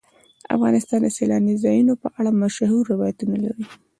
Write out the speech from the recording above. افغانستان د سیلاني ځایونو په اړه مشهور روایتونه لري.